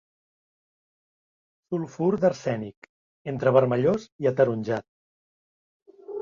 Sulfur d'arsènic, entre vermellós i ataronjat.